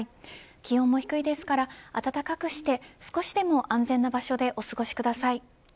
気温も低いですから暖かくして少しでも安全な場所でお過ごしください。